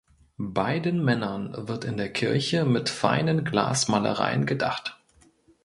Beiden Männern wird in der Kirche mit feinen Glasmalereien gedacht.